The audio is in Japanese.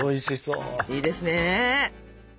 いいですね。